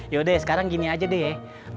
yaudah sekarang gini aja deh ya